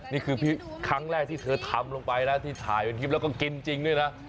นี่คือครั้งแรกที่เธอทำลงไปนะที่ถ่ายเป็นคลิปแล้วก็กินจริงด้วยนะ